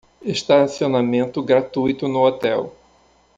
Estacionamento gratuito no hotel